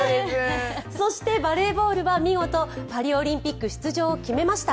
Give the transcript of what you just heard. そして、バレーボールは見事パリオリンピック出場を決めました。